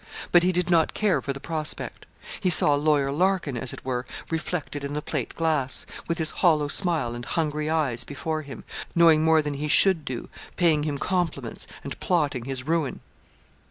But he did not care for the prospect. He saw Lawyer Larkin, as it were, reflected in the plate glass, with his hollow smile and hungry eyes before him, knowing more than he should do, paying him compliments, and plotting his ruin.